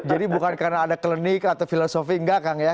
jadi bukan karena ada klinik atau filosofi enggak kang ya